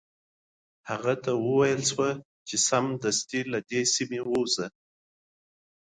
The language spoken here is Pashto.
هغه ته وویل شو سمدستي له سیمي څخه ووزي.